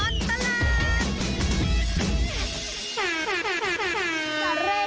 ทรวจตะล็อนตะลาด